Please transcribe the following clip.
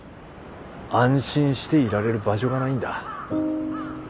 安心していられる場所がないんだ。